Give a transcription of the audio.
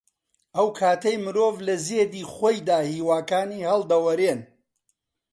ئەو کاتەی مرۆڤ لە زێدی خۆیدا هیواکانی هەڵدەوەرێن